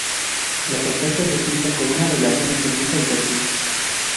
Las ofertas de pista con una relación enfermiza y tóxica.